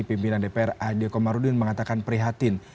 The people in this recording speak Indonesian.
pimpinan dpr ade komarudin mengatakan prihatin